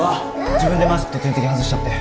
自分でマスクと点滴を外しちゃって。